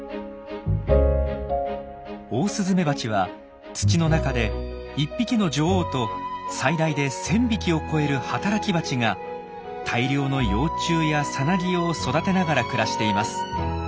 オオスズメバチは土の中で１匹の女王と最大で１，０００匹を超える働きバチが大量の幼虫やさなぎを育てながら暮らしています。